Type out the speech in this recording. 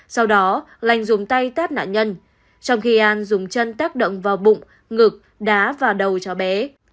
sau đó lành dùng tay tát nạn nhân trong khi an dùng chân tác động vào bụng ngực đá và đầu cho bé